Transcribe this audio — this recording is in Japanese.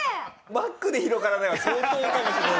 マックで広がらないは相当かもしれない。